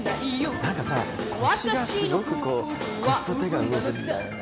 何かさ腰がすごくこう腰と手が動くんだよね